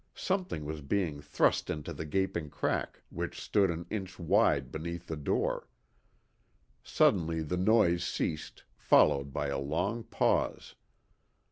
Something was being thrust into the gaping crack which stood an inch wide beneath the door. Suddenly the noise ceased, followed by a long pause.